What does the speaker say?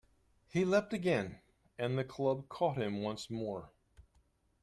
He leapt again, and the club caught him once more.